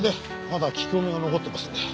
まだ聞き込みが残ってますんで。